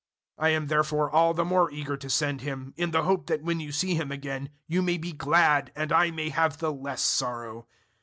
002:028 I am therefore all the more eager to send him, in the hope that when you see him again you may be glad and I may have the less sorrow.